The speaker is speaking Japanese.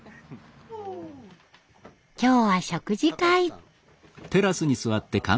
今日は食事会。